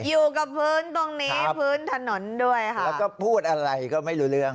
อยู่กับพื้นตรงนี้พื้นถนนด้วยค่ะแล้วก็พูดอะไรก็ไม่รู้เรื่อง